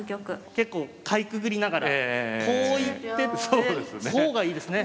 結構かいくぐりながらこう行ってってこうがいいですね。